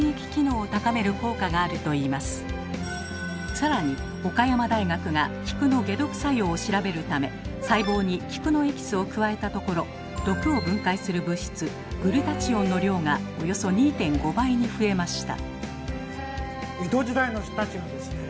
更に岡山大学が菊の解毒作用を調べるため細胞に菊のエキスを加えたところ毒を分解する物質グルタチオンの量がおよそ２．５倍に増えました。